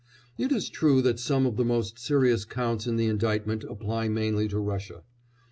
It is true that some of the most serious counts in the indictment apply mainly to Russia.